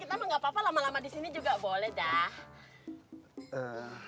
kita mah gak apa apa lama lama di sini juga boleh dah